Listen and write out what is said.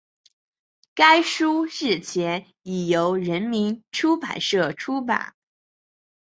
该书日前已由人民出版社出版